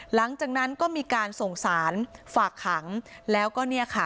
หลังจากนั้นก็มีการส่งสารฝากขังแล้วก็เนี่ยค่ะ